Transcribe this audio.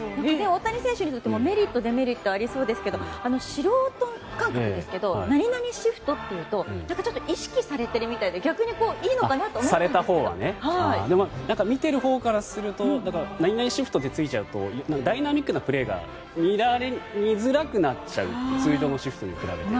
大谷選手にとってもメリット、デメリットありそうですけど素人感覚ですけど何々シフトというと意識されてるみたいでされたほうはね。見ているほうからすると何々シフトとついちゃうとダイナミックなプレーが見づらくなっちゃう通常のシフトに比べて。